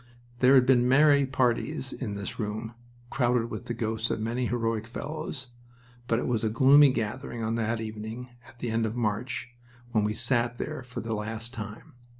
There had been merry parties in this room, crowded with the ghosts of many heroic fellows, but it was a gloomy gathering on that evening at the end of March when we sat there for the last time.